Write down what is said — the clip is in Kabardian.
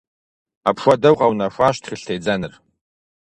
Апхуэдэу къэунэхуащ тхылъ тедзэныр.